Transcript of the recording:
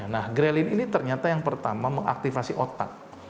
nah grailin ini ternyata yang pertama mengaktifasi otak